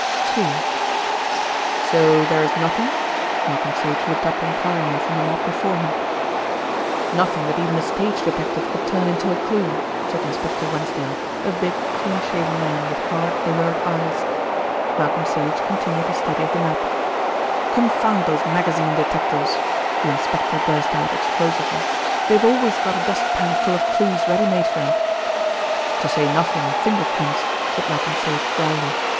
II "So there is nothing?" Malcolm Sage looked up enquiringly from the map before him. "Nothing that even a stage detective could turn into a clue," said Inspector Wensdale, a big, cleanshaven man with hard, alert eyes. Malcolm Sage continued his study of the map. "Confound those magazine detectives!" the inspector burst out explosively. "They've always got a dust pan full of clues ready made for 'em." "To say nothing of finger prints," said Malcolm Sage dryly.